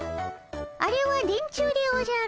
あれは電柱でおじゃる。